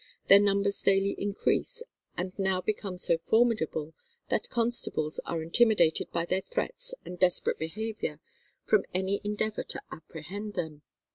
Their numbers daily increase, and now become so formidable that constables are intimidated by their threats and desperate behaviour from any endeavour to apprehend them."